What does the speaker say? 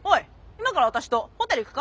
今から私とホテル行くか？